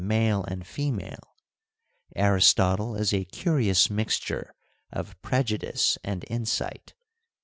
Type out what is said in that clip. ARISTOTLE 215 and female, Aristotle is a curious mixture of prejudice and insight.